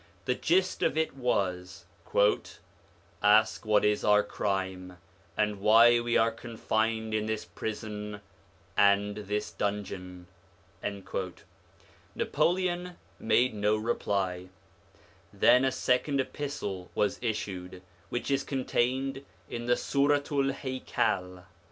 The gist of it was: 'Ask what is our crime, and why we are confined in this prison and this dungeon.' Napoleon made no reply. Then a second epistle was issued, which is contained in the Suratu'l Haikal.